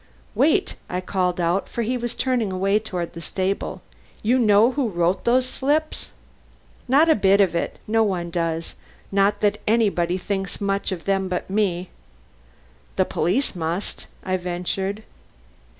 "Wait!" I called out, for he was turning away toward the stable. "You know who wrote those slips?" "Not a bit of it. No one does. Not that anybody thinks much about them but me." "The police must," I ventured.